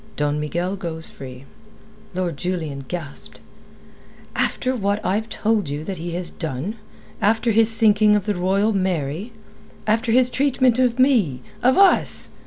Don Miguel goes free." Lord Julian gasped. "After what I've told you that he has done? After his sinking of the Royal Mary? After his treatment of me of us?"